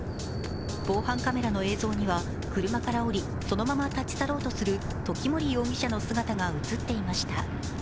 防犯カメラの映像には、車から降りそのまま立ち去ろうとする時森容疑者の姿が映っていました。